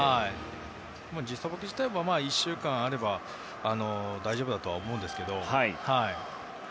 時差ボケ自体は１週間あれば大丈夫だと思うんですけど。